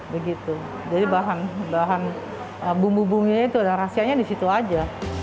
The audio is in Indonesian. begitu jadi bahan bahan bumbu bumbunya itu ada rahasianya di situ aja